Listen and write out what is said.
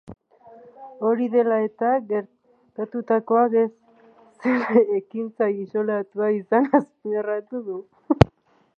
Hori dela eta, gertatutakoa ez zela ekintza isolatua izan azpimarratu du.